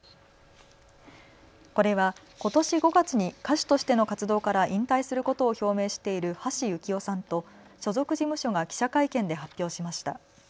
これは、ことし５月に歌手としての活動から引退することを表明している橋幸夫さんと所属事務所が記者会見で発表しました。